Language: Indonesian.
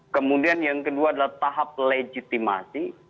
kemudian yang kedua adalah tahap legitimasi